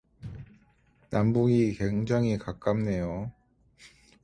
남북이 굉장히 가깝네요?